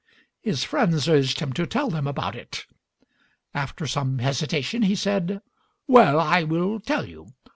His friends urged him to tell them about it. After some hesitation, he said: "Well, I will tell you.